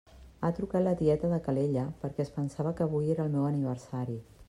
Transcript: Ha trucat la tieta de Calella perquè es pensava que avui era el meu aniversari.